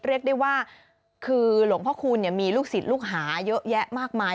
เรียกได้ว่าคือหลวงพ่อคูณมีลูกศิษย์ลูกหาเยอะแยะมากมาย